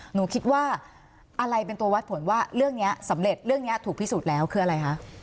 หนูคิดว่าอะไรเป็นตัววัดผลว่าเรื่องนี้สำเร็จเรื่องนี้ถูกพิสูจน์แล้วคืออะไรคะ